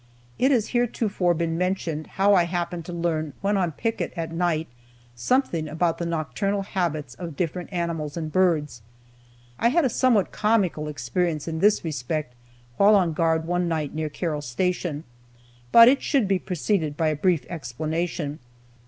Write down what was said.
It has heretofore been mentioned how I happened to learn when on picket at night something about the nocturnal habits of different animals and birds. I had a somewhat comical experience in this respect while on guard one night near Carroll Station. But it should be preceded by a brief explanation.